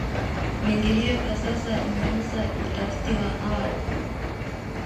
Benki hiyo kwa sasa inafanya utafiti wa awali